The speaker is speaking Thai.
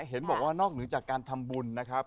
เห็นบอกว่านอกเหนือจากการทำบุญนะครับ